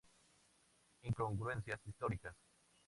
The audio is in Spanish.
Incongruencias históricas.